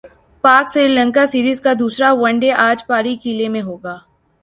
پاک سری لنکا سیریز کا دوسرا ون ڈے اج پالی کیلے میں ہوگا